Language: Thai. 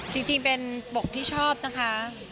จริงเป็นปกที่ชอบนะคะ